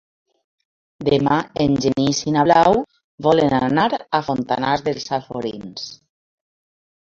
Demà en Genís i na Blau volen anar a Fontanars dels Alforins.